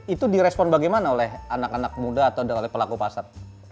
itu direspon bagaimana oleh anak anak muda atau oleh pelaku pasar